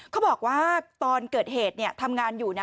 เขาบอกว่าตอนเกิดเหตุทำงานอยู่